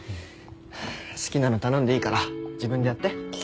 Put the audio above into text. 好きなの頼んでいいから自分でやって。